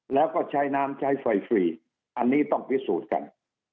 แล้วก็ใช้น้ำใช้ไฟฟรีอันนี้ต้องพิสูจน์กัน